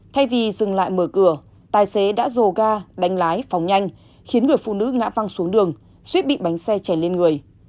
thay vì dừng lại mở cửa tài xế đã dồ ga đánh lái phòng nhanh khiến người phụ nữ ngã văng xuống đường suýt bị bánh xe chảy lên người